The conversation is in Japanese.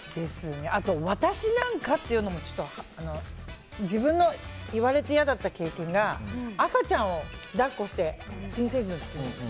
あと「私なんか」っていうのも自分の言われて嫌だった経験が赤ちゃんを抱っこして新生児の時に。